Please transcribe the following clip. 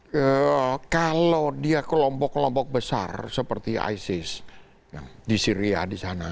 karena kalau dia kelompok kelompok besar seperti isis di syria di sana